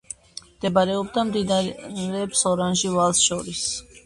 მდებარეობდა მდინარეებს ორანჟი ვაალს შორის.